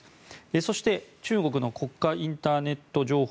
そして、中国の国家インターネット情報